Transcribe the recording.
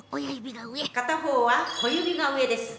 片方は小指が上です。